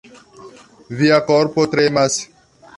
Via korpo tremas.